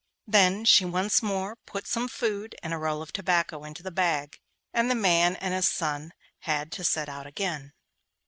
Then she once more put some food and a roll of tobacco into the bag, and the man and his son had to set out again.